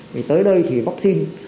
thì tới đây thì vaccine